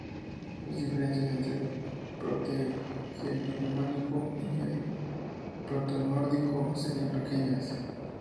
Las diferencias entre el protogermánico y el protonórdico serían pequeñas.